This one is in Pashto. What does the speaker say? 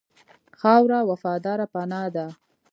خاوره وفاداره پناه ده.